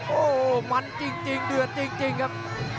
โอ้โหมันจริงเดือดจริงครับ